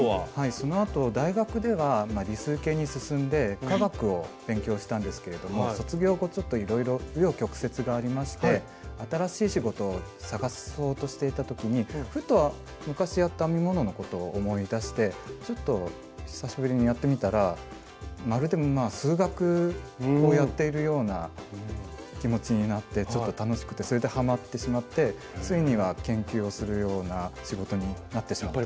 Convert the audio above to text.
そのあと大学では理数系に進んで化学を勉強したんですけれども卒業後ちょっといろいろ紆余曲折がありまして新しい仕事を探そうとしていた時にふと昔やった編み物のことを思い出してちょっと久しぶりにやってみたらまるで数学をやっているような気持ちになってちょっと楽しくてそれでハマってしまってついには研究をするような仕事になってしまった。